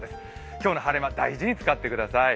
今日の晴れ間、大事に使ってください。